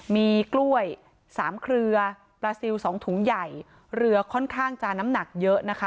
มีกล้วย๓เครือปลาซิล๒ถุงใหญ่เรือค่อนข้างจะน้ำหนักเยอะนะคะ